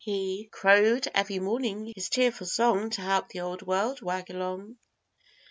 He crowed every morning his cheerful song to help the old world wag along.